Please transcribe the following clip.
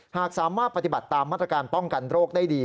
หากสามารถปฏิบัติตามมาตรการป้องกันโรคได้ดี